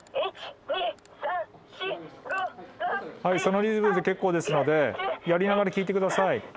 はいそのリズムで結構ですのでやりながら聞いて下さい。